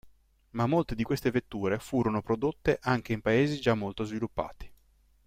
Ma molte di queste vetture furono prodotte anche in Paesi già molto sviluppati.